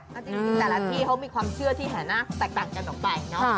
เอาจริงแต่ละที่เขามีความเชื่อที่แห่นาคแตกต่างกันออกไปเนอะ